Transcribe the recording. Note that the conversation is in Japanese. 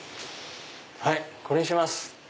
はいこれにします。